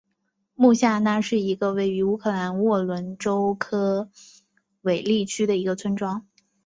穆夏那是一个位于乌克兰沃伦州科韦利区的一个村庄。